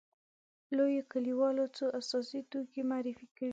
لویو لیکوالو څو اساسي توکي معرفي کړي دي.